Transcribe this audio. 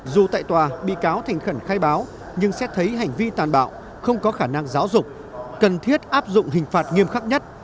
dù tại tòa bị cáo thành khẩn khai báo nhưng xét thấy hành vi tàn bạo không có khả năng giáo dục cần thiết áp dụng hình phạt nghiêm khắc nhất